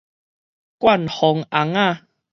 灌風尪仔